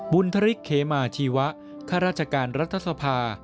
บุญฐฤกษ์เคมาชีวะข้าราชการรัฐศพา